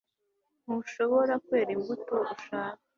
Ntushobora kwera imbuto ushaka